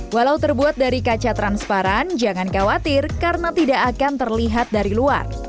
walau terbuat dari kaca transparan jangan khawatir karena tidak akan terlihat dari luar